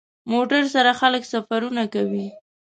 موټر سره خلک سفرونه کوي.